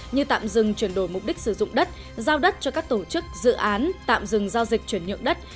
như tạm dừng chuyển đổi mục đích sử dụng đất giao đất cho các tổ chức dự án tạm dừng giao dịch chuyển nhượng đất